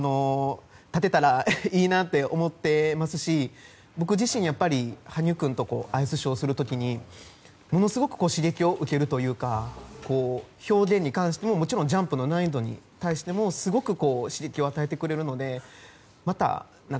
立てたらいいなって思ってますし僕自身羽生君とアイスショーする時にものすごく刺激を受けるというか表現に関しても、もちろんジャンプの難易度に対してもすごく刺激を与えてくれるのでまた